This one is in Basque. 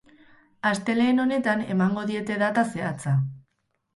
Astelehen honetan emango diete data zehatza.